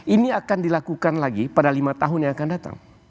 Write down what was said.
ini akan dilakukan lagi pada lima tahun yang akan datang